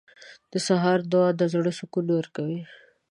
• د سهار دعا د زړه سکون ورکوي.